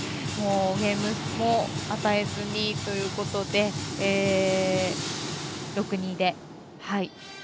ゲームも与えずにということで６−２で。